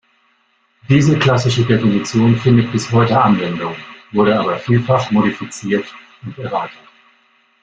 Diese klassische Definition findet bis heute Anwendung, wurde aber vielfach modifiziert und erweitert.